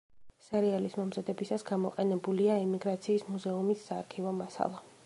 სერიალის მომზადებისას გამოყენებულია ემიგრაციის მუზეუმის საარქივო მასალა.